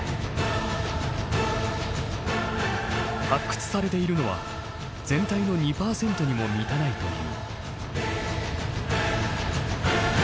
発掘されているのは全体の２％にも満たないという。